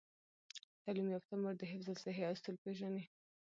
تعلیم یافته مور د حفظ الصحې اصول پیژني۔